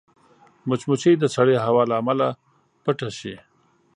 مچمچۍ د سړې هوا له امله پټه شي